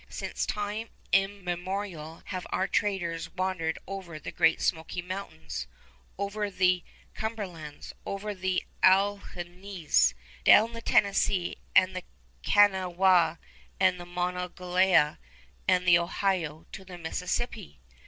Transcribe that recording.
"Since time immemorial have our traders wandered over the Great Smoky Mountains, over the Cumberlands, over the Alleghenies, down the Tennessee and the Kanawha and the Monongahela and the Ohio to the Mississippi."